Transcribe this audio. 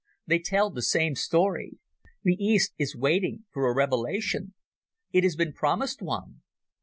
They tell the same story. The East is waiting for a revelation. It has been promised one.